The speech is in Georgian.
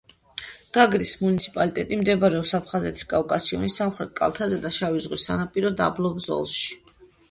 გაგრის მუნიციპალიტეტი მდებარეობს აფხაზეთის კავკასიონის სამხრეთ კალთაზე და შავი ზღვის ვიწრო სანაპირო დაბლობ ზოლში.